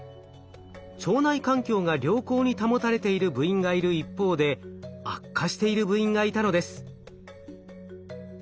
腸内環境が良好に保たれている部員がいる一方で悪化している部員がいたのです。